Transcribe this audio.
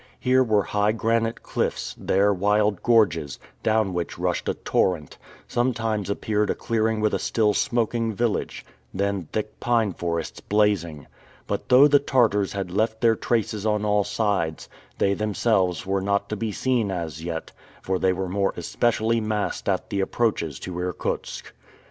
Here were high granite cliffs, there wild gorges, down which rushed a torrent; sometimes appeared a clearing with a still smoking village, then thick pine forests blazing. But though the Tartars had left their traces on all sides, they themselves were not to be seen as yet, for they were more especially massed at the approaches to Irkutsk.